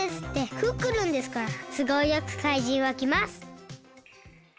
クックルンですからつごうよくかいじんはきます。